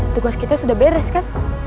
tugas kita sudah beres kan